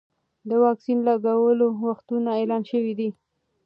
د واکسین لګولو وختونه اعلان شوي دي.